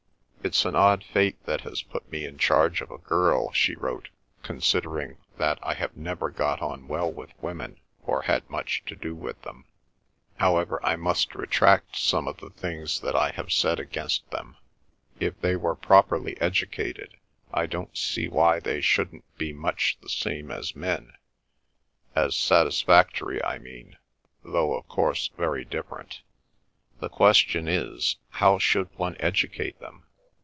"It's an odd fate that has put me in charge of a girl," she wrote, "considering that I have never got on well with women, or had much to do with them. However, I must retract some of the things that I have said against them. If they were properly educated I don't see why they shouldn't be much the same as men—as satisfactory I mean; though, of course, very different. The question is, how should one educate them.